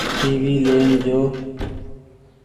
سي وي لين جو۔